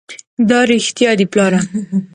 دا رښتيا دي پلاره!